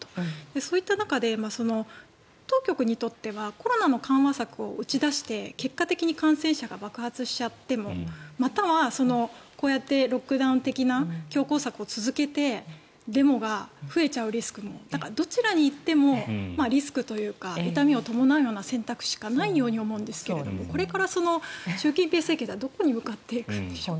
そういった中で、当局にとってはコロナの緩和策を打ち出して結果的に感染者が爆発しちゃってもまたはこうやってロックダウン的な強硬策を続けてデモが増えちゃうリスクもどちらに行ってもリスクというか痛みを伴う選択しかない気がするんですがこれから習近平政権はどこに向かっていくのでしょう。